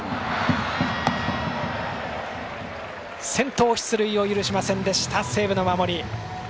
先頭出塁を許しませんでした、西武の守り。